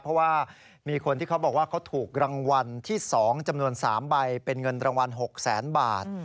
เพราะว่ามีคนที่เขาบอกว่าเขาถูกรางวัลที่๒จำนวน๓ใบเป็นเงินรางวัล๖แสนบาท